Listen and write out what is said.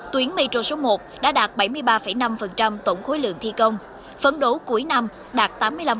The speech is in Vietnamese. tuyến metro số một đã đạt bảy mươi ba năm tổng khối lượng thi công phấn đấu cuối năm đạt tám mươi năm